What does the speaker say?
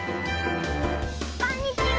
こんにちは！